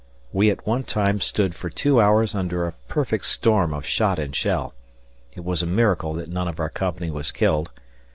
We at one time stood for two hours under a perfect storm of shot and shell it was a miracle that none of our company was killed.